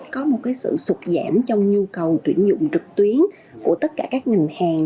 có một sự sụt giảm trong nhu cầu tuyển dụng trực tuyến của tất cả các ngành hàng